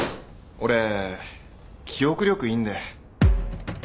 俺記憶力いいんで。